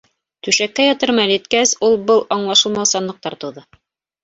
Түшәккә ятыр мәл еткәс, ул-был аңлашылмаусанлыҡтар тыуҙы.